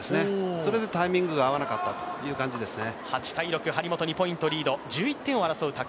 それでタイミングが合わなかったという感じですね。